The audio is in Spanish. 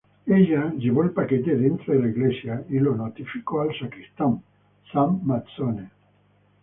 Ella llevó el paquete adentro de la iglesia y notificó al sacristán, Sam Mazzone.